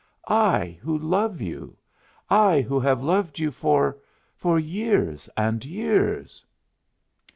I who love you I who have loved you for for years and years!"